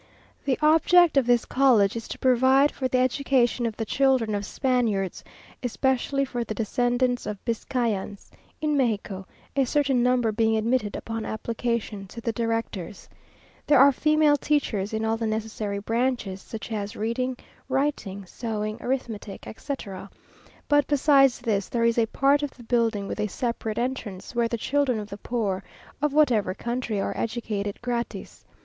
The object of this college is to provide for the education of the children of Spaniards, especially for the descendants of Biscayans, in Mexico; a certain number being admitted upon application to the directors. There are female teachers in all the necessary branches, such as reading writing, sewing, arithmetic, etc.; but besides this, there is a part of the building with a separate entrance, where the children of the poor, of whatever country, are educated gratis.